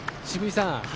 渋井さん